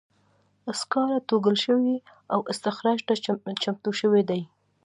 سکاره توږل شوي او استخراج ته چمتو شوي دي.